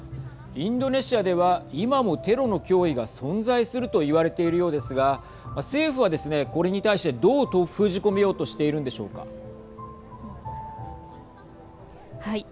インドネシアでは今もテロの脅威が存在するといわれているようですが政府はですね、これに対してどう封じ込めようとはい。